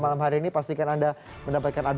malam hari ini pastikan anda mendapatkan